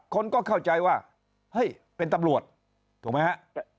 คนก็เข้าใจว่าเฮ้ยเป็นตำรวจถูกไหมฮะ